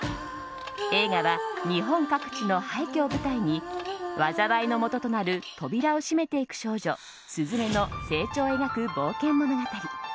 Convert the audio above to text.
映画は日本各地の廃虚を舞台に災いのもととなる扉を閉めていく少女・鈴芽の成長を描く冒険物語。